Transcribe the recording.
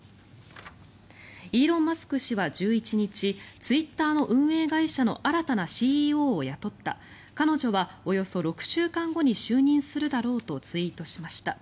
イーロン・マスク氏は１１日ツイッターの運営会社の新たなＣＥＯを雇った彼女はおよそ６週間後に就任するだろうとツイートしました。